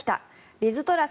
リズ・トラス